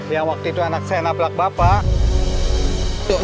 yang waktu itu anak saya nablak bapak